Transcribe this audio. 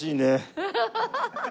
ハハハハ！